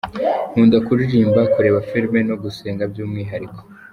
Nkunda kuririmba, kureba film no gusenga byumwihariko.